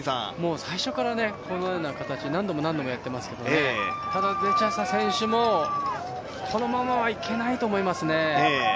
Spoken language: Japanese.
最初からこのような形何度も何度もやってますけどただ、デチャサ選手もこのままはいけないと思いますね。